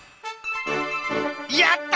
やった！